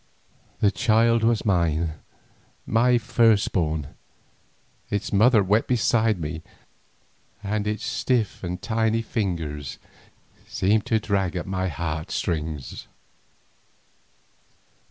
The child was mine, my firstborn, its mother wept beside me, and its stiff and tiny fingers seemed to drag at my heart strings.